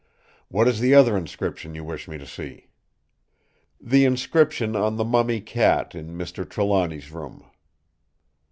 What is the other inscription you wish me to see?" "The inscription on the mummy cat in Mr. Trelawny's room."